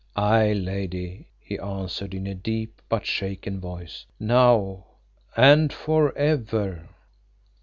"Aye, Lady," he answered, in a deep but shaken voice, "now and for ever."